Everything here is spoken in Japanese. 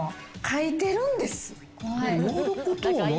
書いてるんです。